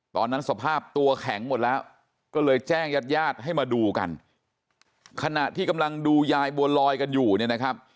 ตอนนั้นสภาพตัวแข็งหมดแล้วก็เลยแจ้งญาติญาติให้มาดูกันขณะที่กำลังดูยายบัวลอยกันอยู่เนี่ยนะครับ